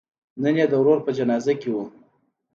نن یې د ورور په جنازه کې و.